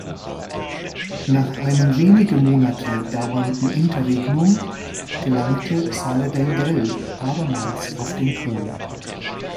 Nach einem wenige Monate dauernden Interregnum gelangte Sahle Dengel abermals auf den Thron.